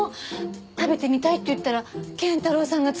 食べてみたいって言ったら謙太郎さんが作ってくれるって。